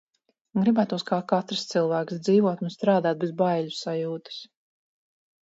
Gribētos, kā katrs cilvēks, dzīvot un strādāt bez baiļu sajūtas.